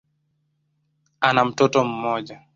Ana mtoto mmoja.